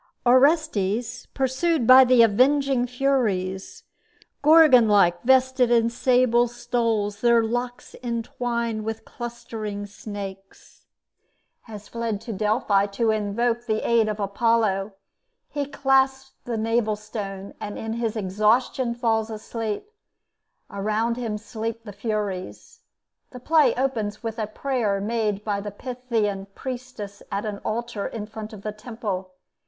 Orestes, pursued by the avenging Furies, "Gorgon like, vested in sable stoles, their locks entwined with clustering snakes," has fled to Delphi to invoke the aid of Apollo. He clasps the navel stone and in his exhaustion falls asleep. Around him sleep the Furies. The play opens with a prayer made by the Pythian priestess at an altar in front of the temple.